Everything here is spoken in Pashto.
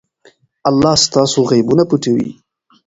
الله ستاسو عیبونه پټوي.